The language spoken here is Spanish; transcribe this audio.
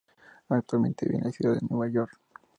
Actualmente vive en la ciudad de Nueva York.